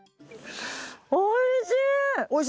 おいしい！